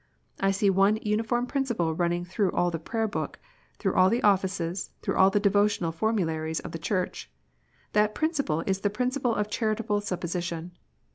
I see one uniform principle running through all the Prayer book, through all the Offices, through all the devotional Formularies of the Church. That principle is the principle of charitable supposi tion.